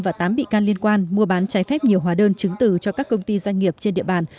và tám bị can liên quan mua bán trái phép nhiều hóa đơn chứng từ cho các công ty doanh nghiệp trên địa bàn